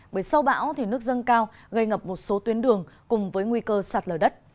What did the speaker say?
bởi sau bão thì nước dâng cao gây ngập một số tuyến đường cùng với nguy cơ sạt lở đất